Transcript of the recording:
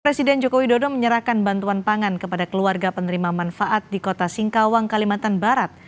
presiden joko widodo menyerahkan bantuan pangan kepada keluarga penerima manfaat di kota singkawang kalimantan barat